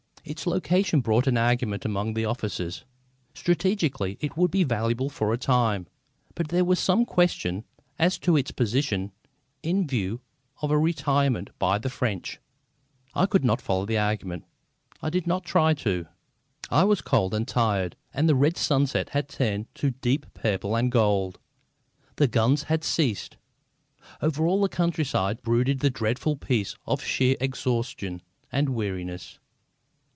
Its location brought an argument among the officers. Strategically it would be valuable for a time, but there was some question as to its position in view of a retirement by the French. I could not follow the argument. I did not try to. I was cold and tired, and the red sunset had turned to deep purple and gold. The guns had ceased. Over all the countryside brooded the dreadful peace of sheer exhaustion and weariness.